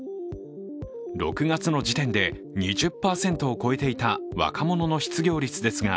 ６月の時点で２０％を超えていた若者の失業率ですが、